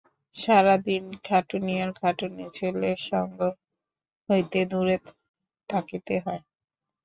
সারাদিন খাটুনি আর খাটুনি-ছেলের সঙ্গ হইতে দূরে থাকিতে হয়।